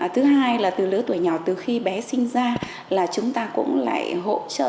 thứ hai là từ lứa tuổi nhỏ từ khi bé sinh ra là chúng ta cũng lại hỗ trợ